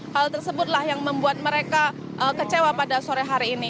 hal tersebutlah yang membuat mereka kecewa pada sore hari ini